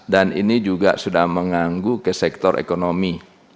dan ini juga sudah mengganggu ke sektor ekonomi